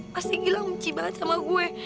pasti gilang benci banget sama gue